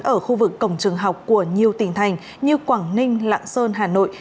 ở khu vực cổng trường học của nhiều tỉnh thành như quảng ninh lạng sơn hà nội